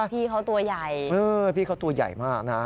ตอนแรกก็ไม่แน่ใจนะคะ